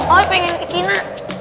oh pengen ke cina